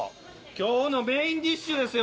今日のメインディッシュですよ。